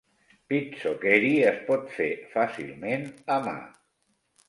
Pizzoccheri es pot fer fàcilment a mà.